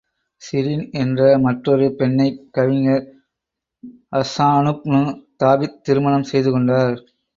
ஸிரின் என்ற மற்றொரு பெண்ணைக் கவிஞர் ஹஸ்ஸானுப்னு தாபித் திருமணம் செய்து கொண்டார்.